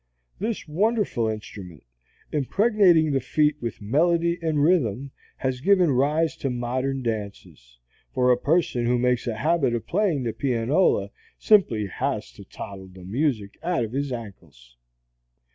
This wonderful instrument, impregnating the feet with melody and rhythm, has given rise to the modern dances. For a person who makes a habit of playing the pianola simply has to toddle the music out of his ankles.